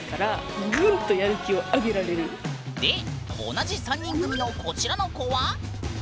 同じ３人組のこちらの子は？